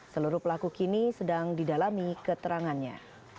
seluruh pelaku kini sedang didalami keterangannya